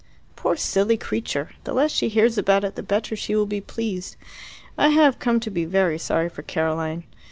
"Poor silly creature. The less she hears about it the better she will be pleased. I have come to be very sorry for Caroline.